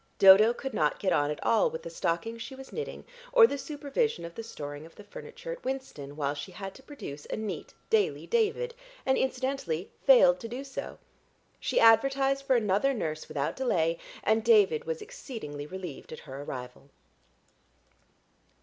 Dodo could not get on at all with the stocking she was knitting or the supervision of the storing of the furniture at Winston, while she had to produce a neat daily David, and incidentally failed to do so. She advertised for another nurse without delay, and David was exceedingly relieved at her arrival.